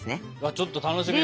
ちょっと楽しみだね。